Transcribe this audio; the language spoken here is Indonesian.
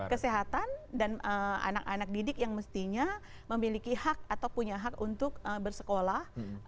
kesehatan dan anak anak didik yang mestinya memiliki hak atau punya hak untuk bersekolah